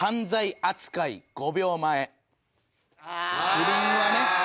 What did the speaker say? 「不倫はね